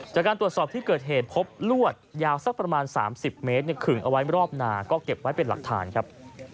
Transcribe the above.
จากการตรวจสอบที่เกิดเหตุพบลวดยาวสักประมาณ๓๐เมตรขึงเอาไว้รอบนาก็เก็บไว้เป็นหลักฐานครับ